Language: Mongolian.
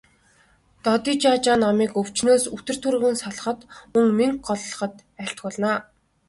Додижажаа номыг өвчнөөс үтэр түргэн салахад, мөн мэнгэ голлоход айлтгуулна.